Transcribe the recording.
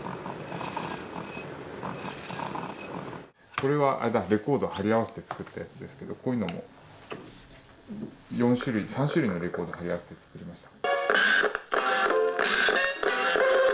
これはレコードを貼り合わせて作ったやつですけどこういうのも３種類のレコードを貼り合わせて作りました。